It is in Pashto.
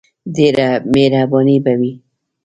ډیره مهربانی به یی وی.